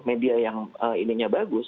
media yang ininya bagus